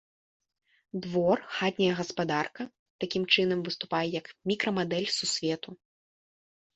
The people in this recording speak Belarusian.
Двор, хатняя гаспадарка, такім чынам, выступае як мікрамадэль сусвету.